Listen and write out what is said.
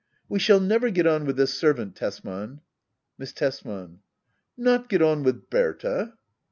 ] We shall never get on with this servant^ Tesman. Miss Tesman. Not get on with Berta